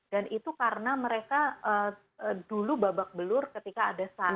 dan itu karena mereka dulu babak belur ketika ada sars